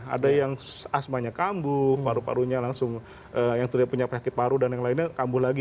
ada yang asmanya kambuh paru parunya langsung yang tidak punya penyakit paru dan yang lainnya kambuh lagi